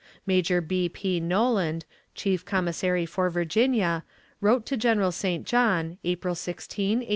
Major B. P. Noland, chief commissary for Virginia, wrote to General St. John, April 16, 1874.